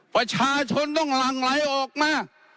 ประชาชนต้องหลั่งไหลออกมา